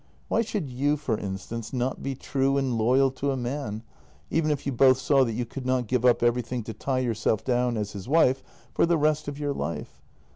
Why should you, for instance, not be true and loyal to a man even if you both saw that you could not give up everything to tie yourself down as his wife for the rest of your life?